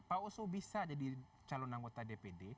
pak oso bisa jadi calon anggota dpd